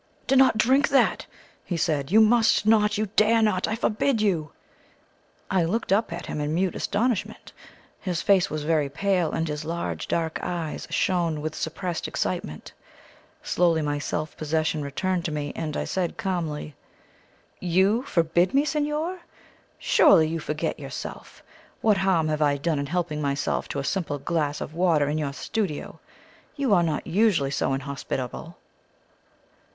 "Do not drink that," he said; "you must not! You dare not! I forbid you!" I looked up at him in mute astonishment. His face was very pale, and his large dark eyes shone with suppressed excitement. Slowly my self possession returned to me, and I said calmly: "YOU forbid me, signor? Surely you forget yourself. What harm have I done in helping myself to a simple glass of water in your studio? You are not usually so inhospitable."